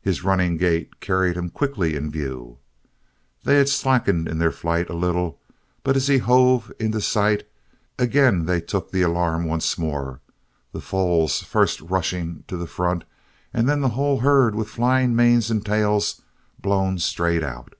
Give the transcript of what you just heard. His running gait carried him quickly in view. They had slackened in their flight a little but as he hove in sight again they took the alarm once more, the foals first rushing to the front and then the whole herd with flying manes and tails blown straight out.